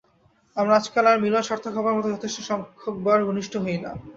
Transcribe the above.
আমরা আজকাল আর মিলন সার্থক হবার মতো যথেষ্ট সংখ্যকবার ঘনিষ্ঠ হই না।